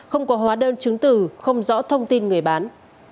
không có hóa đơn chứng từ không rõ thông tin người bán